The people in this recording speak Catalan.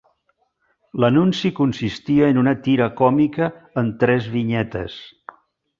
L'anunci consistia en una tira còmica en tres vinyetes.